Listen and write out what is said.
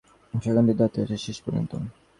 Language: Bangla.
অজায়গায় যদি এসে পড়ি সেখানকারও দায়িত্ব আছে শেষ পর্যন্ত।